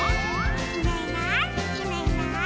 「いないいないいないいない」